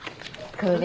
これ。